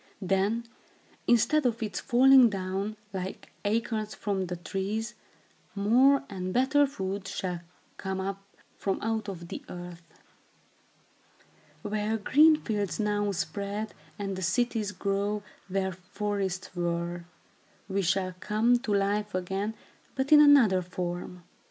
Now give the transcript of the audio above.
Then, instead of its falling down, like acorns from the trees, more and better food shall come up from out of the earth. Where green fields now spread, and the cities grow where forests were, we shall come to life again, but in another form.